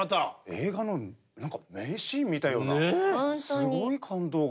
映画の何か名シーン見たようなすごい感動が。